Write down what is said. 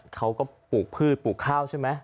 ปลูกพืชปลูกข้าวใช่ไหม